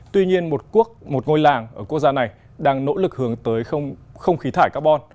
tuy nhiên một ngôi làng ở quốc gia này đang nỗ lực hướng tới không khí thải carbon